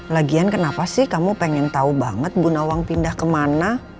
lagian kenapa sih kamu pengen tahu banget bu nawang pindah kemana